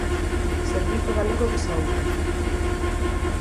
Servizo Galego de Saúde.